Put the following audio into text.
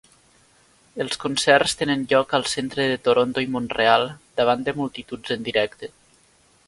Els concerts tenen lloc al centre de Toronto i Mont-real davant de multituds en directe.